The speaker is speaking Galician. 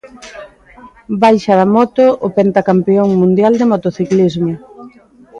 Baixa da moto o pentacampión mundial de motociclismo.